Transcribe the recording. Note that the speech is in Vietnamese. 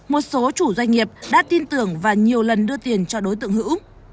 một số chủ doanh nghiệp đã tin tưởng và nhiều lần đưa tiền cho đối tượng hữu